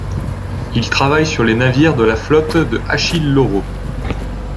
Il travaille sur les navires de la flotte de Achille Lauro.